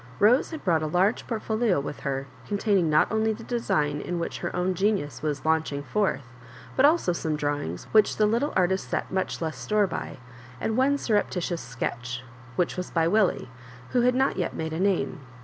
Rose had brought a large port folio with her, containing ;iot only the design in which her own genius was launching forth, but also some drawings which the little artist set much less store by, and one surreptitious sketch, which was by Millie, who had not yet made a name.